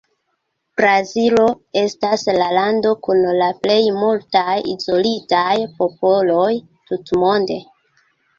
Brazilo estas la lando kun la plej multaj izolitaj popoloj tutmonde.